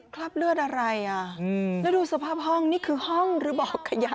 คราบเลือดอะไรอ่ะแล้วดูสภาพห้องนี่คือห้องหรือบอกขยะ